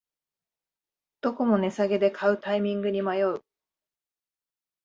どこも値下げで買うタイミングに迷う